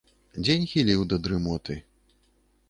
Дзень хіліў да дрымоты.